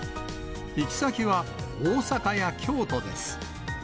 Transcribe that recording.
行き先は大阪や京都です。